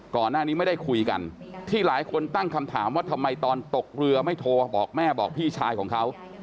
ก่อนหน้านี้ไม่ได้คุยกันที่หลายคนตั้งคำถามว่าทำไมตอนตกเรือไม่โทรบอกแม่บอกพี่ชายของเขา